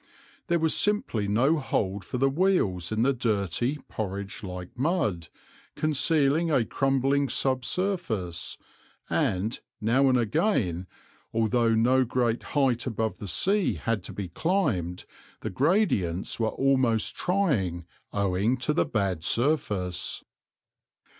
There was simply no hold for the wheels in the dirty, porridge like mud, concealing a crumbling sub surface, and, now and again, although no great height above the sea had to be climbed, the gradients were almost trying, owing to the bad surface.